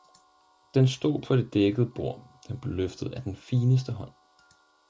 Den stod på det dækkede bord, den blev løftet af den fineste hånd.